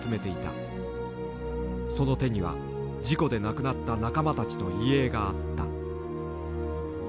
その手には事故で亡くなった仲間たちの遺影があった。